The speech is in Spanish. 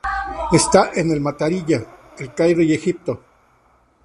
Está en el-Matariya, El Cairo, Egipto.